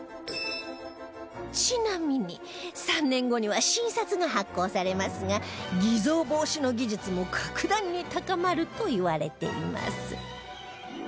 ちなみに３年後には新札が発行されますが偽造防止の技術も格段に高まるといわれています